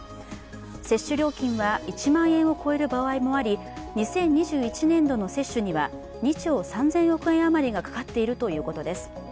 接種料金は１万円を超える場合もあり、２０２１年度の接種には２兆３０００億円あまりがかかっているということです。